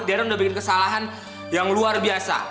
darren udah bikin kesalahan yang luar biasa